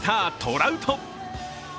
ラウト。